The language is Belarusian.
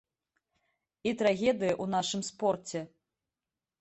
І трагедыя ў нашым спорце.